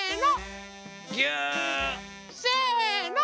せの。